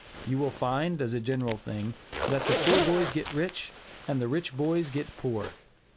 You will find, as a general thing, that the poor boys get rich and the rich boys get poor.